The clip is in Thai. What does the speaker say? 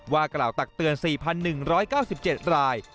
ว่ากล่าวตักเตือน๔๑๙๗ราย